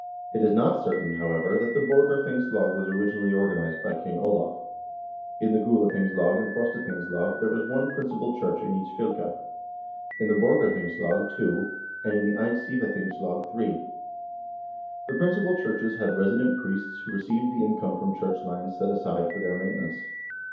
2 It is not certain, however, that the Borgarthingslag was originally organized by King Olav. In the Gulathingslag and Frostathingslag there was one principal church in each fylke ; 3 in the Borgarthingslag two, and in the Eidsi vathingslag three. The principal churches had resident priests who received the income from church lands set aside for their mainte nance.